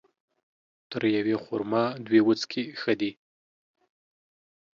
تر يوې خرما ، دوې وڅکي ښه دي